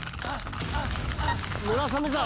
村雨さん